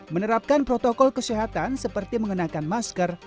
menerapkan protokol kesehatan seperti mengenakan masker